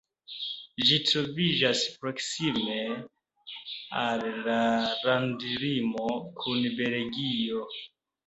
Ĝi troviĝas proksime al la landlimo kun Belgio.